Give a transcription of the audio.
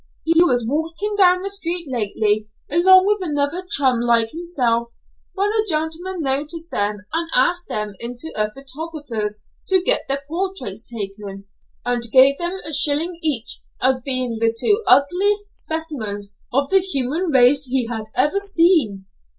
"He was walking down the street lately, along with another chum like himself, when a gentleman noticed them and asked them into a photographer's to get their portraits taken, and gave them a shilling each as being the two ugliest specimens of the human race he had ever seen!"